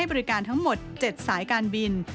ที่เปิดให้บริการทั้งหมด๗สายการบิน